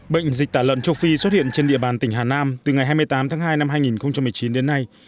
bệnh dịch tả lợn châu phi xuất hiện trên địa bàn tỉnh hà nam từ ngày hai mươi tám tháng hai năm hai nghìn một mươi chín đến nay